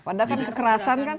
padahal kan kekerasan kan